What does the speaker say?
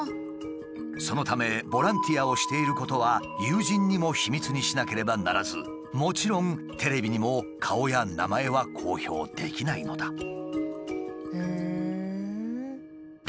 そのためボランティアをしていることは友人にも秘密にしなければならずもちろんテレビにも顔や名前は公表できないのだ。